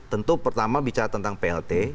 tentu pertama bicara tentang plt